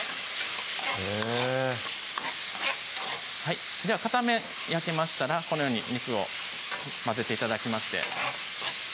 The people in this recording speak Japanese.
へぇでは片面焼けましたらこのように肉を混ぜて頂きまして